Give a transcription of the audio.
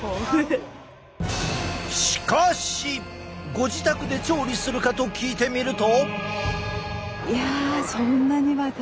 ご自宅で調理するかと聞いてみると。